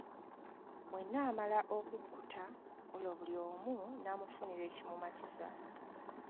Bwe naamala okukkuta olwo buli omu naamufunira ekimumatiza.